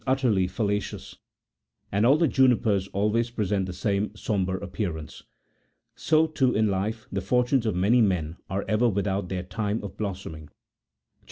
381 utterly fallacious, and all the junipers always present the same sombre appearance. So, too, in life, the fortunes of many men are ever without their time of blossoming. CHAP.